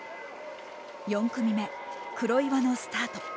４組目、黒岩のスタート。